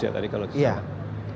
ya tadi kalau tidak ya